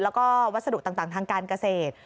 แล้วก็วัสดุต่างทางการเกษตร